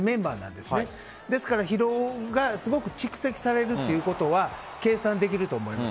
ですから疲労がすごく蓄積されるということは計算できると思います。